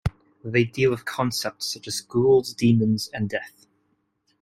They deal with concepts such as ghouls, demons and Death.